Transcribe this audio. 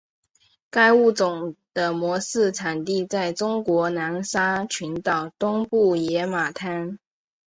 该物种的模式产地在中国南沙群岛东部野马滩。